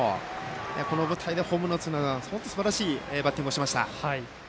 この舞台でホームランを打つというすばらしいバッティングをしました。